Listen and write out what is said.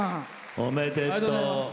おめでとう。